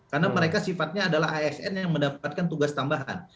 karena mereka sifatnya adalah asn yang mendapatkan tugas tambahan